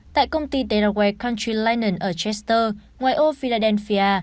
tại công ty delaware country linen ở chester ngoài ô philadelphia